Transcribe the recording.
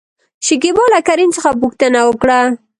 شکيبا له کريم څخه پوښتنه وکړه ؟